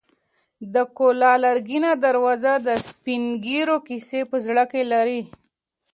د کلا لرګینه دروازه د سپین ږیرو کیسې په زړه کې لري.